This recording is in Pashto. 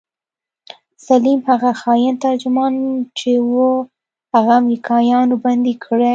سليم هغه خاين ترجمان چې و هغه امريکايانو بندي کړى.